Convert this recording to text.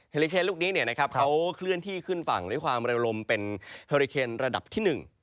ฮอริเคนลูกนี้เนี่ยนะครับเขาเคลื่อนที่ขึ้นฝั่งด้วยความระยะลมเป็นฮอริเคนระดับที่หนึ่ง